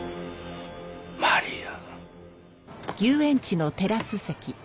マリア。